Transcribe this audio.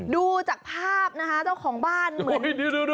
ดูจากภาพนะคะเจ้าของบ้านเหมือน